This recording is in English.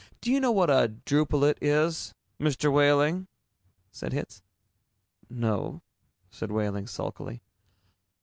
Do you know what a drupelet is, Mr. Wehling?" said Hitz. "Nope," said Wehling sulkily.